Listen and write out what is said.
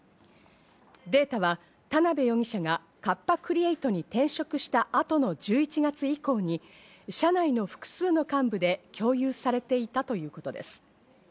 データは田辺容疑者がカッパ・クリエイトに転職した後の１１月以降に社内の複数の幹部で共有されていたということです。